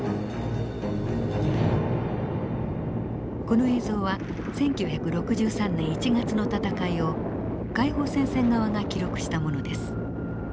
この映像は１９６３年１月の戦いを解放戦線側が記録したものです。